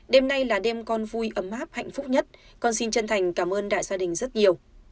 đêm nay là đêm con vui ấm áp hạnh phúc nhất con xin chân thành cảm ơn đại gia đình rất nhiều